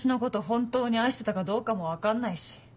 本当に愛してたかどうかも分かんないし。